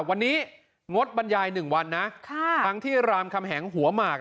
วันนี้งดบรรยาย๑วันนะทั้งที่รามคำแหงหัวหมาก